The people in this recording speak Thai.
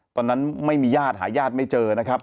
ตอนนั้นไม่มีญาติหาญาติไม่เจอนะครับ